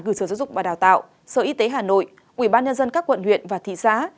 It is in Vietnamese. của sở y tế hà nội ubnd các quận huyện và thị xã